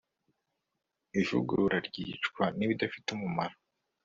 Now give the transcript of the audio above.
Ivugurura Ryicwa nIbidafite Umumaro